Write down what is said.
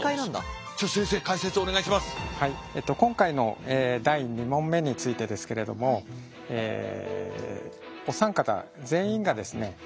今回の第２問目についてですけれどもお三方全員がですね